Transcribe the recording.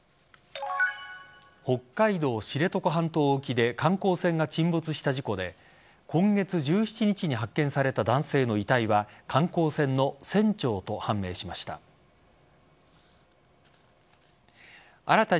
北海道知床半島沖で観光船が沈没した事故で今月１７日に発見された男性の遺体は観光船の船長と判明しました。